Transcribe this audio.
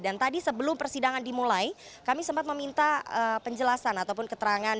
dan tadi sebelum persidangan dimulai kami sempat meminta penjelasan ataupun keterangan